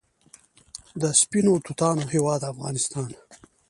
د سپینو توتانو هیواد افغانستان.